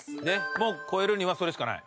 もう越えるにはそれしかない。